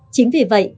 chính vì vậy